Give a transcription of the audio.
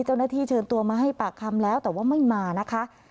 เจ้าหน้าที่เชิญตัวมาให้ปากคำแล้วแต่ว่าไม่มานะคะ